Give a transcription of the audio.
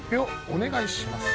お願いします。